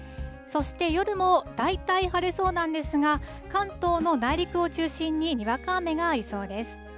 そして夜も大体晴れそうなんですが、関東の内陸を中心ににわか雨がありそうです。